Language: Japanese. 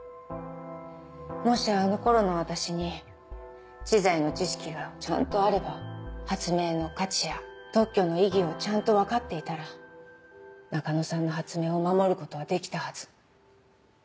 もしあの頃の私に知財の知識がちゃんとあれば発明の価値や特許の意義をちゃんと分かっていたら中野さんの発明を守ることはできたはず。